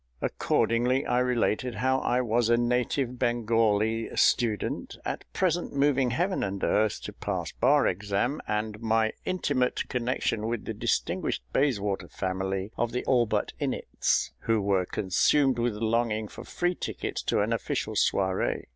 Accordingly I related how I was a native Bengalee student, at present moving Heaven and Earth to pass Bar Exam, and my intimate connection with the distinguished Bayswater family of the ALLBUTT INNETTS, who were consumed with longing for free tickets to an official soirée.